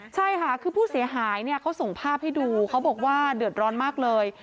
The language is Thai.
ใช่ค่ะคือผู้เสียหายเนี่ยเขาส่งภาพให้ดูเขาบอกว่าเดือดร้อนมากเลย